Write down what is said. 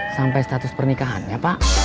sampai status pernikahannya pak